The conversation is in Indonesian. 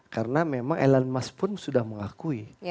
karena memang elon musk pun sudah mengakui